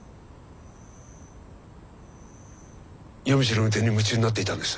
夜道の運転に夢中になっていたんです。